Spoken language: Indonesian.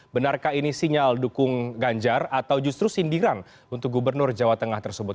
benarkah ini sinyal dukung ganjar atau justru sindiran untuk gubernur jawa tengah tersebut